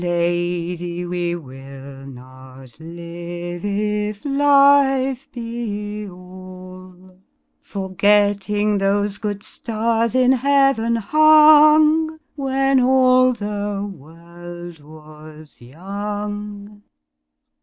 Lady, we will not live if life be all Forgetting those good stars in heaven hung When all the world was young.